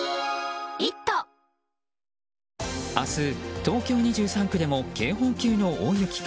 明日、東京２３区でも警報級の大雪か。